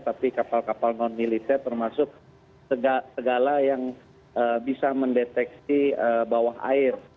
tapi kapal kapal non militer termasuk segala yang bisa mendeteksi bawah air